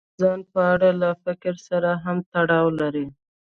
دا له خپل ځان په اړه له فکر سره هم تړاو لري.